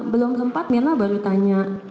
belum sempat mirna baru tanya